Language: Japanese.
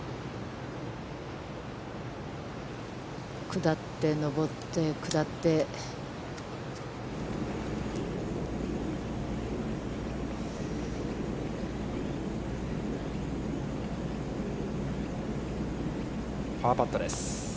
下って、上って、下って、パーパットです。